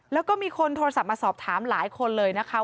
แล้วก็มีคนโทรศัพท์มาสอบถามหลายคนเลยนะคะ